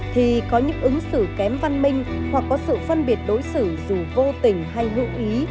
thì có những ứng xử kém văn minh hoặc có sự phân biệt đối xử dù vô tình hay hữu ý